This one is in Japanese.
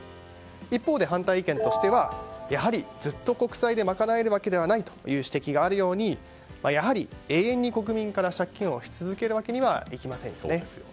一方で反対意見としてはやはりずっと国債で賄えるわけではないという指摘があるようにやはり永遠に国民から借金をし続けるわけにはいきませんよね。